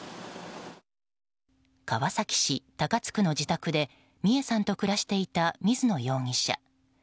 川崎市高津区の自宅で美恵さんと暮らしていた水野容疑者。